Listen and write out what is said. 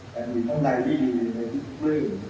และอยู่ทั้งใดที่อยู่ในทุกเรื่อง